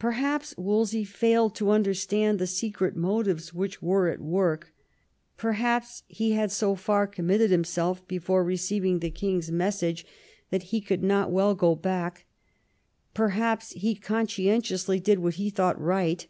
Perhaps Wolsey failed to understand the secret motives which were at work ; perhaps he had so far committed himself before receiving the king's mes IX THE KING'S DIVORCE 167 sage that he could not well go back ; perhaps he consci entiously did what he thought right.